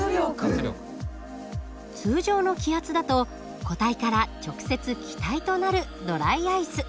通常の気圧だと固体から直接気体となるドライアイス。